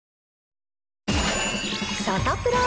サタプラ。